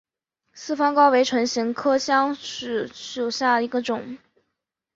四方蒿为唇形科香薷属下的一个种。